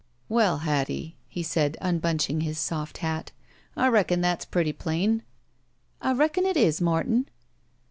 "Well, Hattie," he said, unbundling his soft hat, "I reckon that's pretty plain." "I reckon it is, Morton."